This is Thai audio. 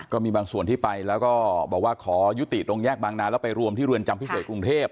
ก็มีบางส่วนที่ไปแล้วก็บอกว่าขอยุติตรงแยกบางนาแล้วไปรวมที่เรือนจำพิเศษกรุงเทพ